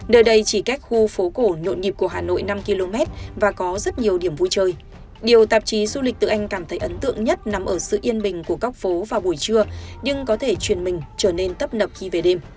nơi đây chỉ cách khu phố cổ nhộn nhịp của hà nội năm km và có rất nhiều điểm vui chơi điều tạp chí du lịch tự anh cảm thấy ấn tượng nhất nằm ở sự yên bình của các phố vào buổi trưa nhưng có thể truyền mình trở nên tấp nập khi về đêm